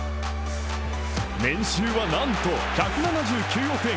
年収はなんと１７９億円。